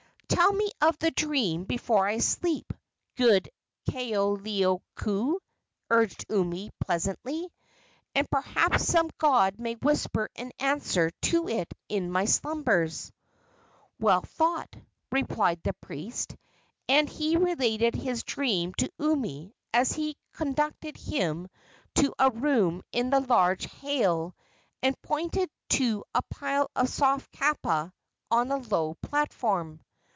"Tell me of the dream before I sleep, good Kaoleioku," urged Umi, pleasantly, "and perhaps some god may whisper an answer to it in my slumbers." "Well thought," replied the priest; and he related his dream to Umi as he conducted him to a room in the large hale and pointed to a pile of soft kapa on a low platform.